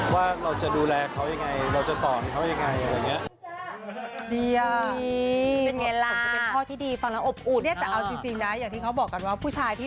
ว่าจะดูแลเขาอย่างไรเราจะสอนเขาอย่างไร